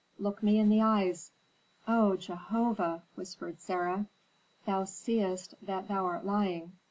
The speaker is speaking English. "Look me in the eyes." "O Jehovah!" whispered Sarah. "Thou seest that thou art lying.